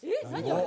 あれ。